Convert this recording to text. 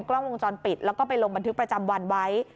กล้องวงจรปิดแล้วก็ไปลงบันทึกประจำวันไว้